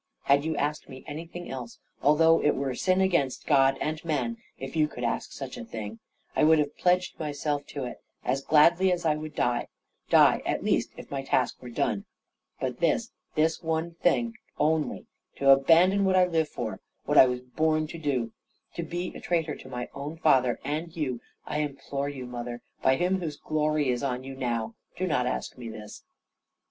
"Had you asked me anything else, although it were sin against God and man (if you could ask such a thing) I would have pledged myself to it, as gladly as I would die die, at least, if my task were done. But this, this one thing only to abandon what I live for, what I was born to do, to be a traitor to my own father and you I implore you, mother, by Him whose glory is on you now, do not ask me this."